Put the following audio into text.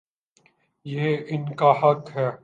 یہ ان کا حق ہے۔